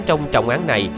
trong trọng án này